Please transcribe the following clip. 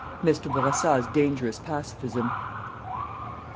MR. BOURASSA'S DANGEROUS PACIFISM.